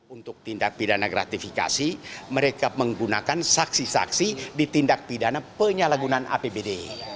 untuk tindak pidana gratifikasi mereka menggunakan saksi saksi di tindak pidana penyalahgunaan apbd